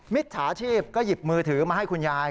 มิจฉาชีพก็หยิบมือถือมาให้คุณยาย